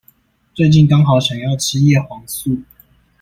最近剛好想要吃葉黃素